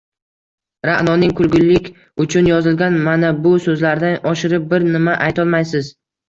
Ra’noning “kulgulik uchun” yozilgan mana bu so’zlaridan oshirib bir nima aytolmaysiz: